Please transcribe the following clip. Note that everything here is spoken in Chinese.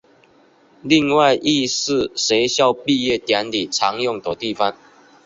另外亦是学校毕业典礼常用的地方。